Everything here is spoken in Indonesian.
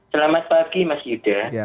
selamat pagi mas yuda